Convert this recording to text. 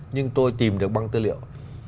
nhưng tôi tìm được băng tư liệu